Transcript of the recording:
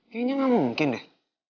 kayaknya enggak mungkin deh